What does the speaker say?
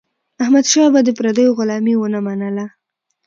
احمدشاه بابا د پردیو غلامي ونه منله.